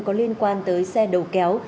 có liên quan tới xe đầu kéo